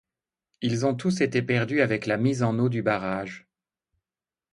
Ils ont tous été perdus avec la mise en eau du barrage.